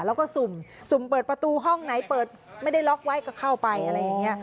แล้วก็สุ่มสุ่มเปิดประตูห้องไหนเปิดไม่ได้ล็อกไว้ก็เข้าไปอะไรอย่างนี้